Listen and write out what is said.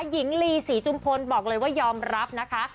หญิงลีศรีจุมพลบอกเลยว่ายอมรับนะคะ